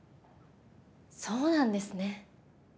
そうなんですね。